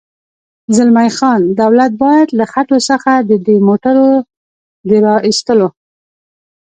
زلمی خان: دولت باید له خټو څخه د دې موټرو د را اېستلو.